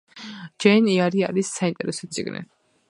ჯეინ ეარი არის საინტერესო წიგნი